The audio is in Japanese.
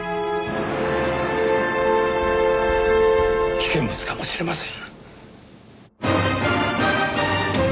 危険物かもしれません。